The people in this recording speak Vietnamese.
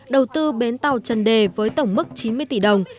đầu tư bến tàu trần đề với tổng mức chín mươi tỷ đồng